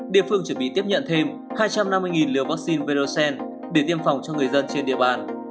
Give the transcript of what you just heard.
địa phương chuẩn bị tiếp nhận thêm hai trăm năm mươi liều vaccine perocen để tiêm phòng cho người dân trên địa bàn